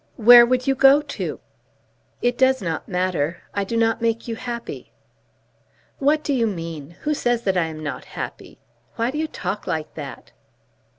Where would you go to?" "It does not matter. I do not make you happy." "What do you mean? Who says that I am not happy? Why do you talk like that?"